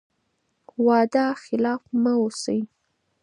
وعده خلاف مه اوسئ.